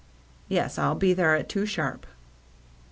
Yes, I'll be there at two sharp."